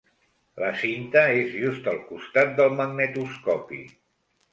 La cinta és just al costat del magnetoscopi.